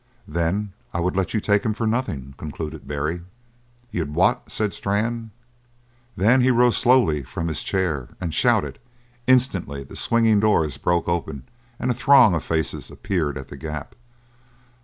"Then I would let you take him for nothing," concluded Barry. "You'd what?" said Strann. Then he rose slowly from his chair and shouted; instantly the swinging doors broke open and a throng of faces appeared at the gap.